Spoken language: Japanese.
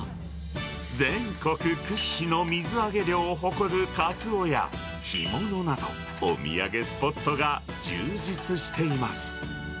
全国屈指の水揚げ量を誇るカツオや、干物など、お土産スポットが充実しています。